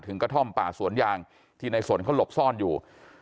กระท่อมป่าสวนยางที่ในสนเขาหลบซ่อนอยู่